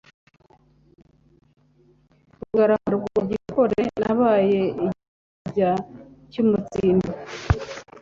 Rugarama rwa Gikore nabaye igisibya cy'umutsindo,